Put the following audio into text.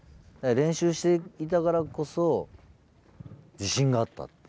練習していたからこそ自信があった。